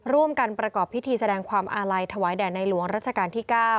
ร่วมกันประกอบพิธีแสดงความอาลัยถวายแด่ในหลวงรัชกาลที่๙